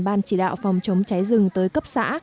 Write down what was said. ban chỉ đạo phòng chống cháy rừng tới cấp xã